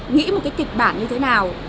nghĩ một cái kịch bản như thế nào